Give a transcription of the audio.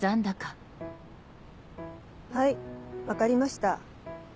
はい分かりました。